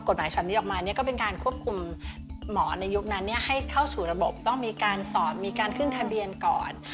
พอกฎหมายฉวัตรที่ออกมาเนี่ยก็เป็นการควบคุมมอล์ในยุคนั้นเนี่ยให้เข้าสู่ระบบต้องมีการสอบมีการขึ้นทะเบียนก่อน